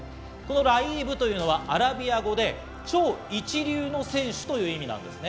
ライーブというのはアラビア語で超一流の選手という意味なんです。